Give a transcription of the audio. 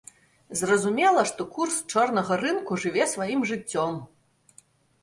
Зразумела, што курс чорнага рынку жыве сваім жыццём.